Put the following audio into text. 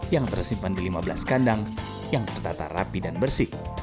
yang tersimpan di lima belas kandang yang tertata rapi dan bersih